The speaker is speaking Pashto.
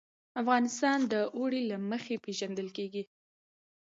افغانستان د اوړي له مخې پېژندل کېږي.